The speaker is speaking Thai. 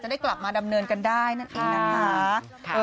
ได้กลับมาดำเนินกันได้นั่นเองนะคะ